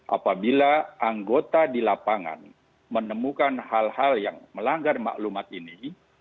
apabila anggota di lapangan menemukan hal hal yang melanggar maklumat ini